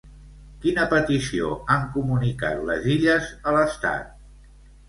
Quina petició han comunicat les illes a l'estat?